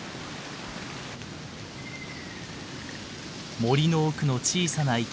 森の奥の小さな池。